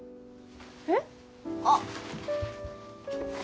えっ？あっ。